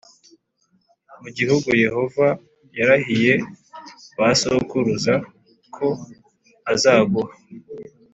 mu gihugu Yehova yarahiye ba sokuruza ko azaguha.